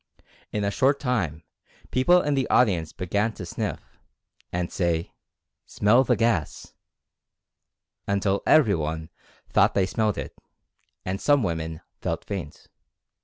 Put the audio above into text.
In a short time people in the audience began to sniff, and say "Smell the gas," until everyone thought they smelled it, and some women felt faint.